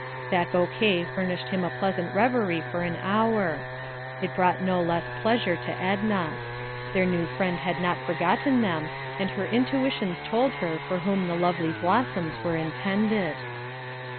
That bouquet furnished him a pleasant reverie for an hour. It brought no less pleasure to Edna. Their new friend had not forgotten them, and her intuitions told her for whom the lovely blossoms were intended.